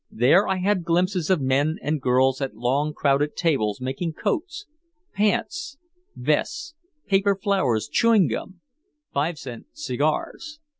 There I had glimpses of men and girls at long crowded tables making coats, pants, vests, paper flowers, chewing gum, five cent cigars.